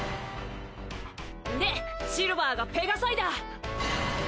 んでシルヴァーがペガサイダー！